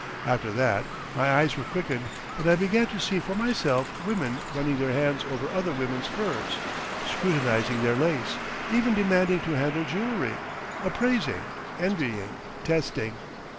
After that my eyes were quickened, and I began to see for myself women running their hands over other women's furs, scrutinising their lace, even demanding to handle jewelry, appraising, envying, testing.